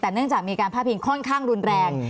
แต่เนื่องจากมีการพาดพิงค่อนข้างรุนแรง